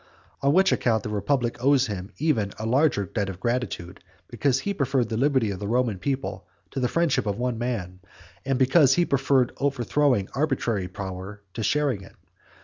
On which account the republic owes him even a larger debt of gratitude, because he preferred the liberty of the Roman people to the friendship of one man, and because he preferred overthrowing arbitrary power to sharing it.